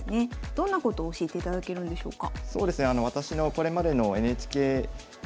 どんなことを教えていただけるんでしょうか？